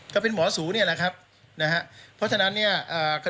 ก็เป็นหมอสูเนี่ยแหละครับนะฮะเพราะฉะนั้นเนี่ย